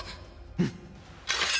うん。